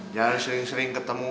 jangan sering sering ketemu